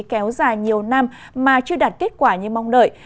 kéo dài nhiều năm mà chưa đạt kết quả như mong nợi